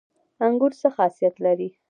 انګور څه خاصیت لري؟